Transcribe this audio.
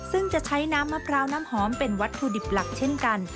ซึ่งจะใช้น้ำมะพร้าวน้ำหอมเป็นวัตถุดิบหลักเช่นกัน